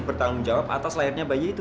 tidak dengan aneh